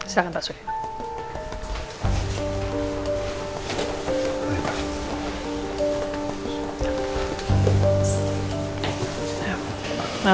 silahkan mas surya